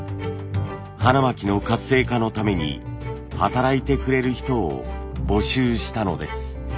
花巻の活性化のために働いてくれる人を募集したのです。